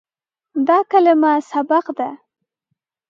دا کلمه "سبق" ده.